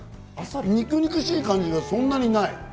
肉々しい感じがそんなにない。